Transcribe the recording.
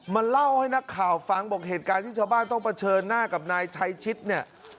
เล่าให้นักข่าวฟังบอกเหตุการณ์ที่ชาวบ้านต้องเผชิญหน้ากับนายชัยชิดเนี่ย